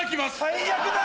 最悪だ！